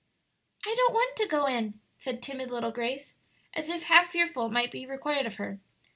"I don't want to go in," said timid little Grace, as if half fearful it might be required of her.